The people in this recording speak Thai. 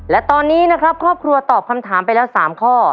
และตอนนี้นะครับครอบครัวตอบคำถามไปแล้ว๓ข้อ